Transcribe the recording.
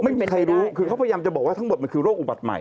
ไม่มีใครรู้คือเขาพยายามจะบอกว่าทั้งหมดมันคือโรคอุบัติใหม่